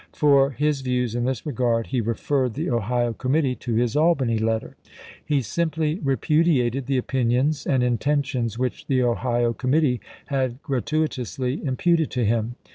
For his views in this regard he referred the Ohio committee to his Albany letter. He simply repudiated the opinions and intentions which the Ohio committee had gratuitously im puted to him.